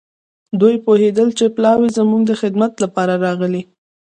دوی پوهېدل چې پلاوی زموږ د خدمت لپاره راغلی.